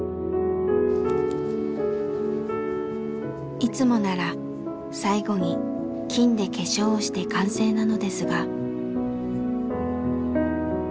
いつもなら最後に金で化粧をして完成なのですが。